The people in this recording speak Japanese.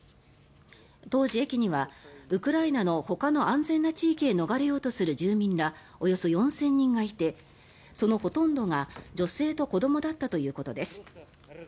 当時、駅にはウクライナのほかの安全な地域へ逃れようとする住民らおよそ４０００人がいてそのほとんどが女性と子どもだったということです。